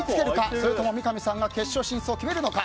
それとも三上さんが決勝進出を決めるのか。